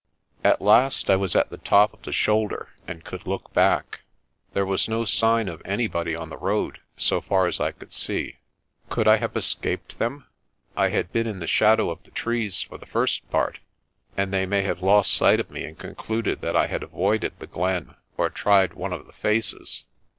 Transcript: At last I was at the top of the shoulder and could look back. There was no sign of anybody on the road so far as I could see. Could I have escaped them? I had been in the shadow of the trees for the first part, and they may have lost sight of me and concluded that I had avoided the glen or tried one of the faces.